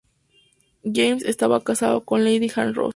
James estaba casado con Lady Ann Ross.